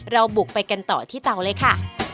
เราบุกไปกันต่อที่เตาเลยค่ะ